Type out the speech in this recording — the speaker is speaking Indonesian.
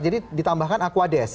jadi ditambahkan aquades